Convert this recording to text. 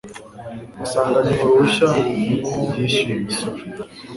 usanganywe uruhushya yishyuye imisoro